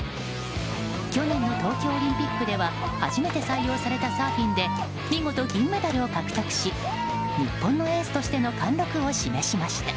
去年の東京オリンピックでは初めて採用されたサーフィンで見事、銀メダルを獲得し日本のエースとしての貫録を示しました。